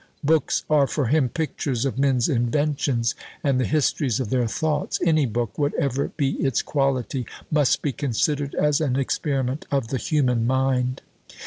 Books are for him pictures of men's inventions, and the histories of their thoughts; any book, whatever be its quality, must be considered as an experiment of the human mind.